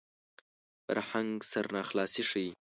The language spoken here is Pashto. فرهنګ سرناخلاصي ښيي